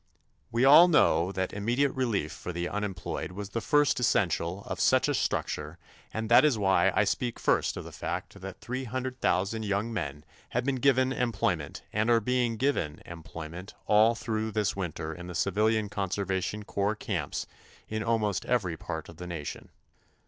We all know that immediate relief for the unemployed was the first essential of such a structure and that is why I speak first of the fact that three hundred thousand young men have been given employment and are being given employment all through this winter in the Civilian Conservation Corps Camps in almost every part of the nation.